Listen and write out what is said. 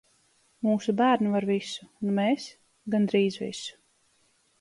Mūsu bērni var visu, un mēs- gandrīz visu!